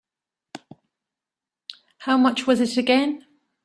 How much was it again?